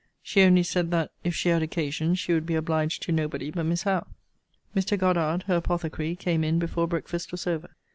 she only said, that, if she had occasion, she would be obliged to nobody but Miss Howe. Mr. Goddard, her apothecary, came in before breakfast was over.